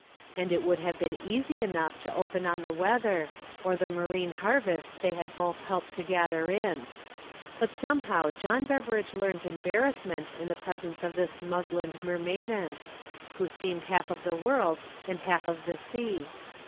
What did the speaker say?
And it would have been easy enough to open on the weather, or the marine harvest they had both helped to gather in. But somehow John Beveridge learnt embarrassment in the presence of this muslined mermaiden, who seemed half of the world and half of the sea.